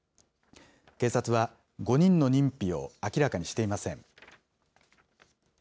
警察は、５人の認否を明らかにしていません。